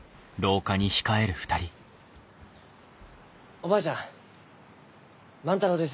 おばあちゃん万太郎です。